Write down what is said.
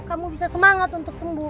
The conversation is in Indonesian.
kamu bisa semangat untuk sembuh